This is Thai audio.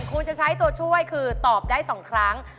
คุณจะใช้ตัวช่วยคือตอบได้๒ครั้ง